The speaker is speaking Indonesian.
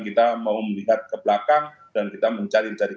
dan kita mencari kesalahan ke belakang